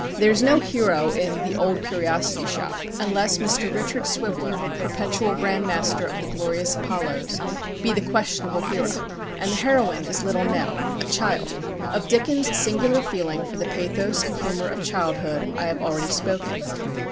There is no hero in "The Old Curiosity Shop," unless Mr. Richard Swiveller, "perpetual grand master of the Glorious Apollos," be the questionable hero; and the heroine is Little Nell, a child. Of Dickens' singular feeling for the pathos and humour of childhood, I have already spoken.